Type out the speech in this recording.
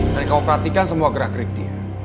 dan kau perhatikan semua gerak gerik dia